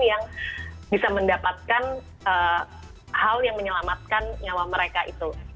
yang bisa mendapatkan hal yang menyelamatkan nyawa mereka itu